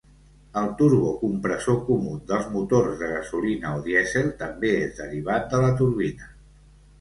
El turbocompressor comú dels motors de gasolina o dièsel també és derivat de la turbina.